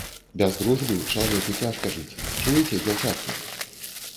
Без дружбы чалавеку цяжка жыць, чуеце, дзяўчаткі?